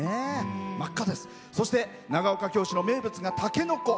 そして、長岡京市の名物がたけのこ。